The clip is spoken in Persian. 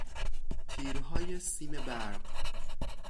تیرهای سیم برق